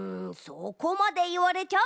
そこまでいわれちゃあ